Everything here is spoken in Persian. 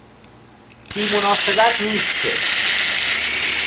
بی مناسبت نیست که